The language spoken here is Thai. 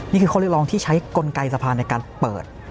นี่คือข้อเรียกร้องที่ใช้กลไกสภาในการเปิด